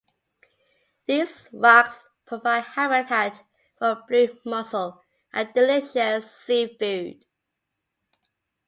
These rocks provide habitat for Blue mussel, a delicious seafood.